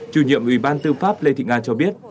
chủ nhiệm ủy ban tư pháp lê thị nga cho biết